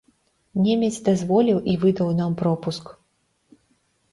Немец дазволіў і выдаў нам пропуск.